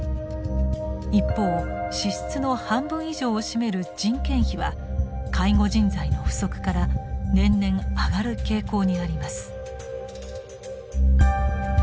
一方支出の半分以上を占める人件費は介護人材の不足から年々上がる傾向にあります。